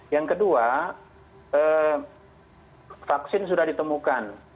yang kedua vaksin sudah ditemukan